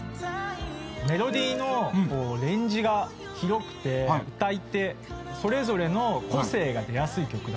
メロディーのレンジが広くて歌い手それぞれの個性が出やすい曲だなと思って。